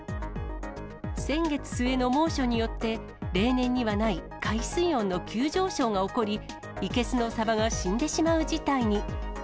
先月末の猛暑によって、例年にはない海水温の急上昇が起こり、生けすのサバが死んでしまう事態に。